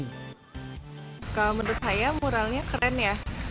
menurut saya muralnya keren ya